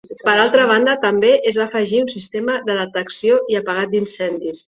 Per altra banda també es va afegir un sistema de detecció i apagat d'incendis.